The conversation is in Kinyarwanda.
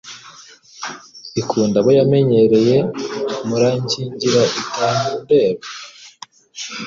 ikunda abo yamenyereye Murankingire itandeba